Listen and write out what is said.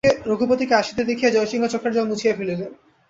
রঘুপতিকে আসিতে দেখিয়া জয়সিংহ চোখের জল মুছিয়া ফেলিলেন।